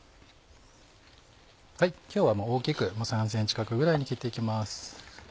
今日はもう大きく３ｃｍ角ぐらいに切って行きます。